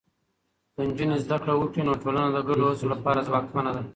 که نجونې زده کړه وکړي، نو ټولنه د ګډو هڅو لپاره ځواکمنه ده.